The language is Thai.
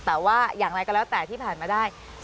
แต่ว่าอย่างไรก็แล้วแต่ที่ผ่านมาได้